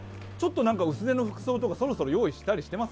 薄手の服装とかそろそろ用意したりとかしてます？